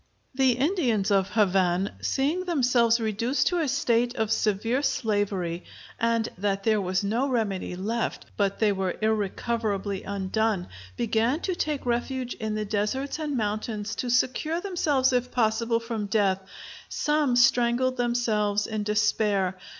The Indians of Havane, seeing themselves reduced to a state of severe slavery, and that there was no remedy left, but they were irrecoverably undone, began to take refuge in the deserts and mountains to secure themselves if possible from death; some strangled themselves in despair.